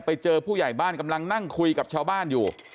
ผู้ใหญ่บ้านกำลังนั่งคุยกับชาวบ้านอยู่